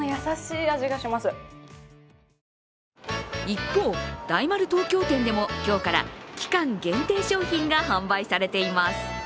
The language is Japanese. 一方、大丸東京店でも今日から期間限定商品が販売されています。